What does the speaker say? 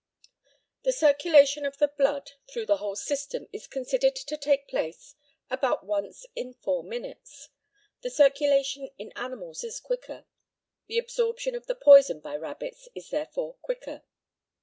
The circulation of the blood through the whole system is considered to take place about once in four minutes. The circulation in animals is quicker. The absorption of the poison by rabbits is therefore quicker.